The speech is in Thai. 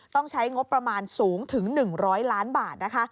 ต้องใช้งบประมาณสูงถึง๑๐๐ล้านบาท